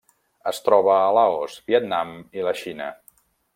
Es troba a Laos, Vietnam i la Xina.